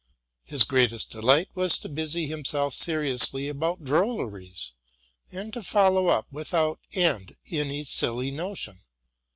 His greatest delight was to busy himself seriously about drol leries, and to follow up without 'end any silly notion.